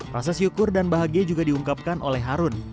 rasa syukur dan bahagia juga diungkapkan oleh harun